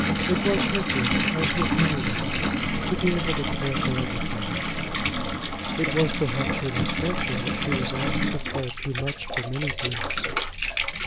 It was her gift, as with many women, to be able to care for everything. It was, perhaps, her misfortune that she was apt to care too much for many things.